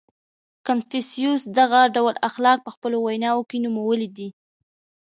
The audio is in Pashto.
• کنفوسیوس دغه ډول اخلاق په خپلو ویناوو کې نومولي دي.